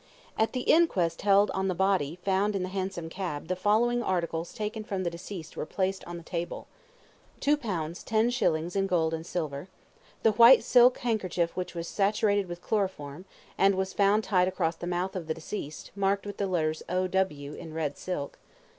At the inquest held on the body found in the hansom cab the following articles taken from the deceased were placed on the table: 1. Two pounds ten shillings in gold and silver. 2. The white silk handkerchief which was saturated with chloroform, and was found tied across the mouth of the deceased, marked with the letters O.W. in red silk.